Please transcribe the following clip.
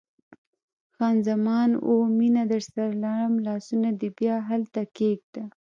خان زمان: اوه، مینه درسره لرم، لاسونه دې بیا هلته کښېږده.